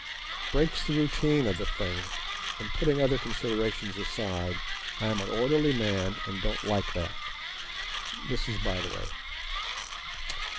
It breaks the routine of the thing, and putting other considerations aside, I am an orderly man and don't like that. This is by the way.